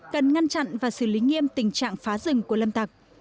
cần ngăn chặn và xử lý nghiêm tình trạng phá rừng của lâm tặc